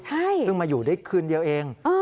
เพิ่งมาอยู่ได้คืนเดียวเอง